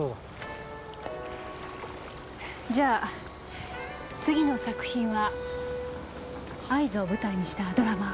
じゃあ次の作品は会津を舞台にしたドラマ？